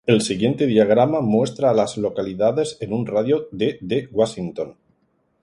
El siguiente diagrama muestra a las localidades en un radio de de Washington.